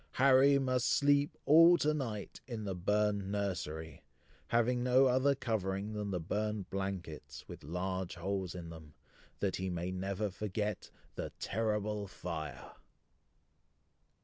Harry must sleep all to night in the burned nursery, having no other covering than the burned blankets, with large holes in them, that he may never forget "THE TERRIBLE FIRE!"